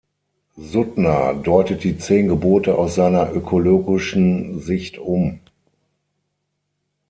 Suttner deutet die zehn Gebote aus seiner ökologischen Sicht um.